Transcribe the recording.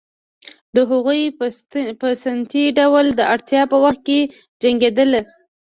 هغوی په سنتي ډول د اړتیا په وخت کې جنګېدل